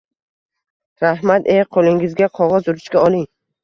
Rahmat-ey, qo`lingizga qog`oz ruchka oling